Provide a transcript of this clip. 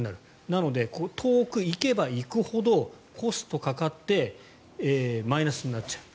なので、遠く行けば行くほどコストがかかってマイナスになっちゃう。